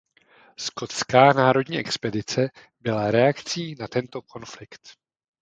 Skotská národní expedice byla reakcí na tento konflikt.